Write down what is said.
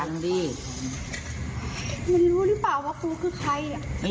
นี่ค่ะ